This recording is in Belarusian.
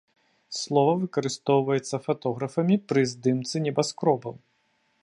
Слова выкарыстоўваецца фатографамі пры здымцы небаскробаў.